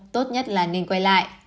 tốt nhất là nên quay lại